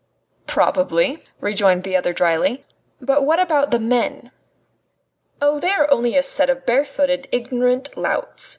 "Probably," rejoined the other dryly. "But what about the men?" "Oh! they are only a set of barefooted, ignorant louts.